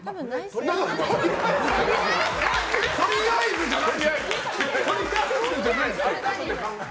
とりあえずじゃないですよ。